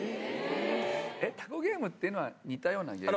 えっ、タコゲームっていうのは似たようなゲーム？